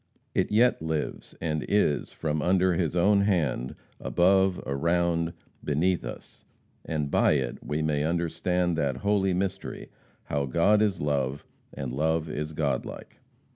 It yet lives, and is, from under His own hand, above, around, beneath us; and by it we may understand that holy mystery how God is Love, and Love is God like.